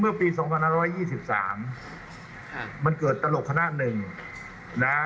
เมื่อปี๒๕๒๓มันเกิดตลกขนาดหนึ่งนะ